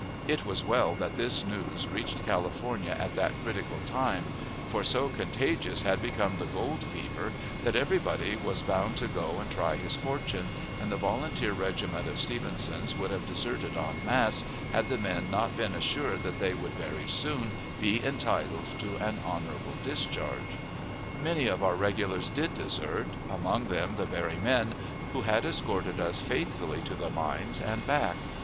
It was well that this news reached California at that critical time; for so contagious had become the "gold fever" that everybody was bound to go and try his fortune, and the volunteer regiment of Stevenson's would have deserted en masse, had the men not been assured that they would very soon be entitled to an honorable discharge. Many of our regulars did desert, among them the very men who had escorted us faithfully to the mines and back.